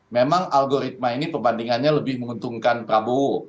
memang algoritma ini perbandingannya lebih menguntungkan prabowo